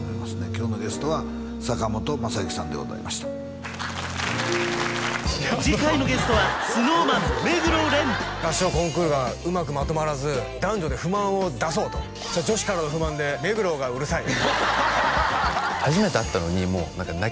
今日のゲストは坂本昌行さんでございました次回のゲストはＳｎｏｗＭａｎ目黒蓮合唱コンクールがうまくまとまらず男女で不満を出そうと女子からの不満で「目黒がうるさい」